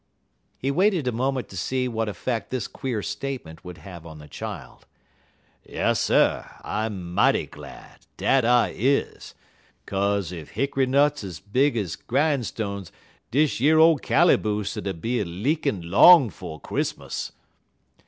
He waited a moment to see what effect this queer statement would have on the child. "Yasser, I mighty glad dat I is. 'Kaze ef hick'y nuts 'uz big ez grinestones dish yer ole callyboose 'ud be a leakin' long 'fo' Chris'mus."